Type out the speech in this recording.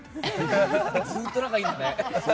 ずっと中にいるんだね。